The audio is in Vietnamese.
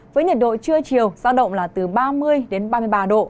với nhiệt độ trưa chiều giao động là từ ba mươi đến ba mươi ba độ